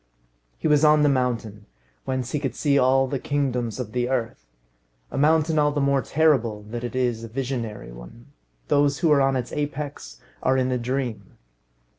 He was on the mountain, whence he could see all the kingdoms of the earth. A mountain all the more terrible that it is a visionary one. Those who are on its apex are in a dream.